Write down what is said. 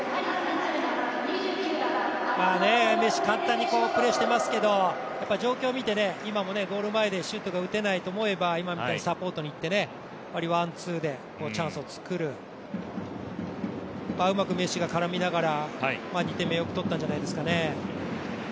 メッシ、簡単にプレーしていますけど状況を見て、今もゴール前でシュートが打てないと思えば今みたいにサポートにいってワン・ツーでチャンスを作る、うまくメッシが絡みながら２点目よく取ったんじゃないですかね。